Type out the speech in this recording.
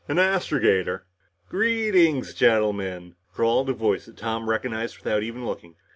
An astrogator." "Greetings, gentlemen," drawled a voice that Tom recognized without even looking.